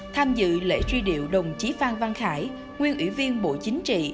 tham dự lễ truy điệu đồng chí phan văn khải nguyên ủy viên bộ chính trị